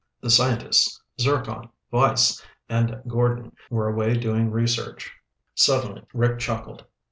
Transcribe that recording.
The scientists, Zircon, Weiss, and Gordon, were away doing research. Suddenly Rick chuckled.